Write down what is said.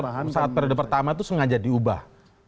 jadi aturan yang ideal saat periode pertama itu sengaja diubah